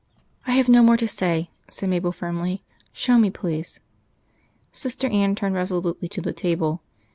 "I have no more to say," said Mabel firmly. "Show me, please." Sister Anne turned resolutely to the table.